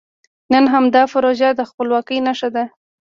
نن همدا پروژه د خپلواکۍ نښه ده.